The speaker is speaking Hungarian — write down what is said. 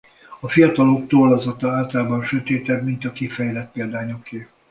A fiatalok tollazata általában sötétebb mint a kifejlett példányoké.